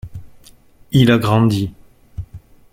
Il a grandi.